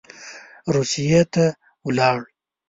روسیې ته ولاړ.